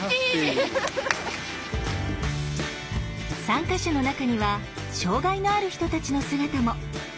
参加者の中には障害のある人たちの姿も。